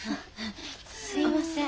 すいません。